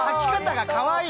かわいい！